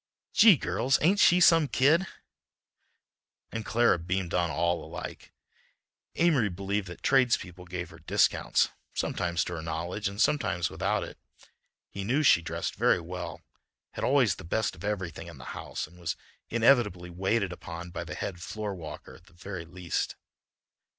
"Gee! girls, ain't she some kid!" And Clara beamed on all alike. Amory believed that tradespeople gave her discounts, sometimes to her knowledge and sometimes without it. He knew she dressed very well, had always the best of everything in the house, and was inevitably waited upon by the head floor walker at the very least.